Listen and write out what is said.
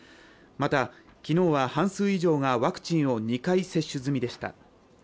また昨日は半数以上がワクチンを２回接種済みでした。